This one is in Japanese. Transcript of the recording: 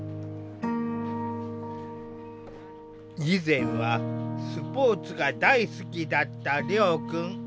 以前はスポーツが大好きだった遼くん。